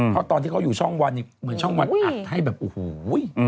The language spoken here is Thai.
เพราะตอนที่เขาอยู่ช่องวันเหมือนช่องวันอัดให้แบบโอ้โห